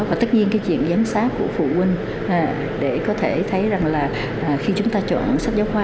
và tất nhiên cái chuyện giám sát của phụ huynh để có thể thấy rằng là khi chúng ta chọn sách giáo khoa